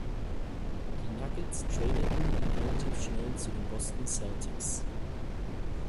Die Nuggets tradeten ihn relativ schnell zu den Boston Celtics.